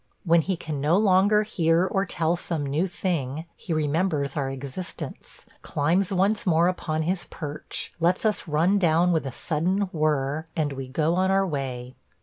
When he can no longer hear or tell some new thing he remembers our existence, climbs once more upon his perch, lets us run down with a sudden whir, and we go on our way.